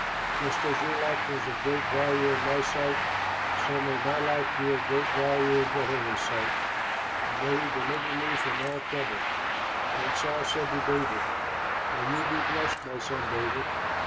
Just as your life was of great value in my sight so may my life be of great value in Jehovah's sight, and may he deliver me from all trouble." Then Saul said to David, "May you be blessed, my son David!